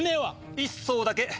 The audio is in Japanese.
１艘だけ。